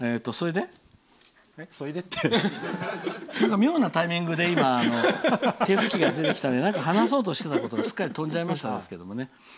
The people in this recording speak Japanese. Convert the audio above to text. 妙なタイミングで手拭きが出てきたので何か話そうとしたことがすっかり飛んじゃいました。